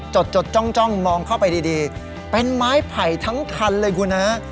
จดจ้องมองเข้าไปดีเป็นไม้ไผ่ทั้งคันเลยคุณฮะ